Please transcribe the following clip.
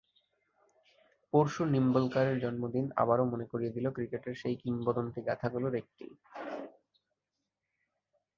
পরশু নিম্বলকারের জন্মদিন আবারও মনে করিয়ে দিল ক্রিকেটের সেই কিংবদন্তিগাথাগুলোর একটি।